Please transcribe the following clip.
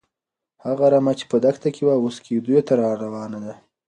هغه رمه چې په دښته کې وه، اوس کيږديو ته راروانه ده.